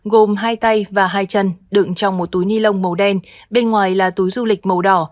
gồm hai tay và hai chân đựng trong một túi ni lông màu đen bên ngoài là túi du lịch màu đỏ